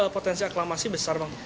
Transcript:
potensi aklamasi besar bang